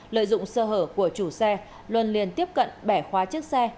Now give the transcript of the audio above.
lợi dụng sơ hở của chủ xe luân liền tiếp cận bẻ khóa chiếc xe